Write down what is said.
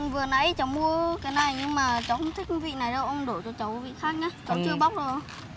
vừa nãy cháu mua cái này nhưng mà cháu không thích hương vị này đâu ông đổi cho cháu hương vị khác nhé cháu chưa bóc rồi